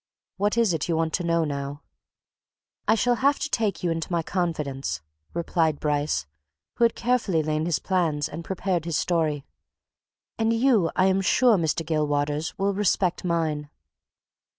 What is it you want to know, now?" "I shall have to take you into my confidence," replied Bryce, who had carefully laid his plans and prepared his story, "and you, I am sure, Mr. Gilwaters, will respect mine.